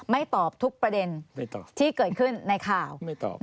ไม่ตอบทุกประเด็นที่เกิดขึ้นในข่าว